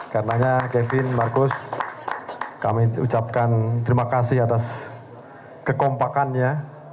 karenanya kevin marcus kami ucapkan terima kasih atas kekompakannya